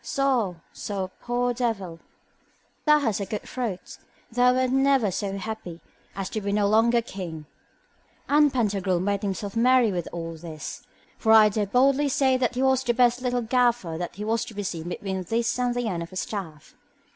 So, so poor devil, thou hast a good throat; thou wert never so happy as to be no longer king. And Pantagruel made himself merry with all this; for I dare boldly say that he was the best little gaffer that was to be seen between this and the end of a staff.